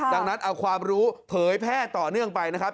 ดังนั้นเอาความรู้เผยแพร่ต่อเนื่องไปนะครับ